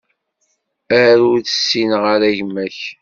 Ala, ur ssineɣ ara gma-k.